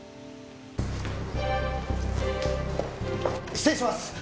失礼します。